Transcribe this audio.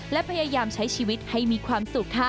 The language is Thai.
และพยายามใช้ชีวิตให้มีความสุขค่ะ